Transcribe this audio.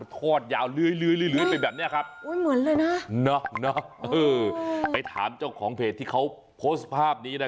ทอดยาวลื้อย